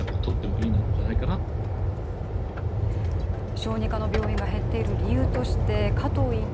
小児科の病院が減っている理由として加藤院長